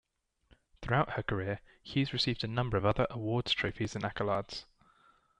Throughout her career Hughes received a number of other awards, trophies, and accolades.